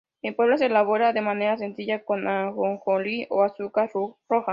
En Puebla se elabora de manera sencilla con ajonjolí o azúcar roja.